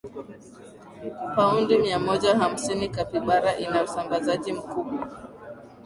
paundi miamoja hamsini capybara ina usambazaji mkubwa